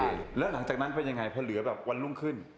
ิ้งดรแล้วหลังจากนั่นแป้ยังไงเพราะเหลือแบบวันลุ่มขึ้น